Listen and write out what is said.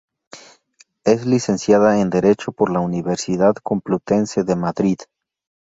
Es Licenciada en Derecho por la Universidad Complutense de Madrid.